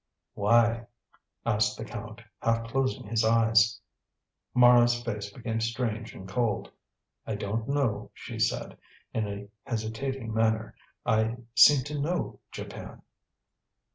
"Why?" asked the Count, half closing his eyes. Mara's face became strange and cold. "I don't know," she said, in a hesitating manner. "I seem to know Japan."